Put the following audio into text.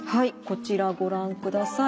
こちらご覧ください。